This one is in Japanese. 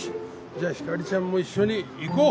じゃあひかりちゃんも一緒に行こう。